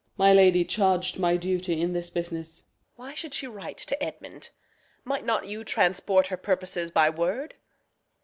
My lady charg'd my duty in this business. Reg. Why should she write to Edmund? Might not you Transport her purposes by word?